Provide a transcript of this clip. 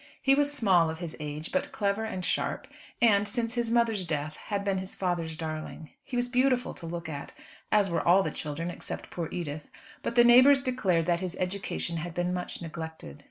He was small of his age, but clever and sharp, and, since his mother's death, had been his father's darling. He was beautiful to look at, as were all the children, except poor Edith, but the neighbours declared that his education had been much neglected.